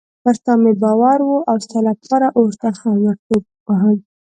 پر تا مې باور و او ستا لپاره اور ته هم ورټوپ وهم.